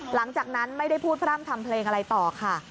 หลังจากนั้นไม่ได้พูดพร่ำทำเพลงอะไรต่อค่ะ